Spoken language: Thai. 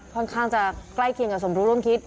ค่อนข้างจะใกล้เคียงกับสมรู้ร่วมคิด